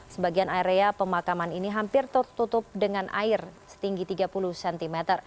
sebagian area pemakaman ini hampir tertutup dengan air setinggi tiga puluh cm